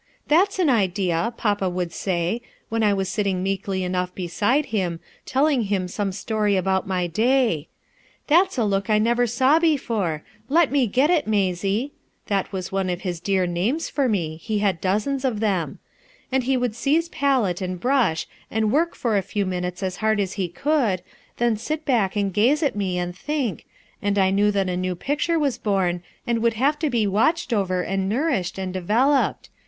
"That's an ideal' papa would pay, when I was silting meekly enough beside him, telling him Fonic story of my day, 'That's a look I never saw before, let me get it, Maysie' — that was one of his dear names for me, he bad dozens of them — and ho would seize palette and brush ami work for a few minutes as hard as he could, then sit back and gaze at me and think, and I knew that a new picture was born and would have to be watched over and nourished and developed.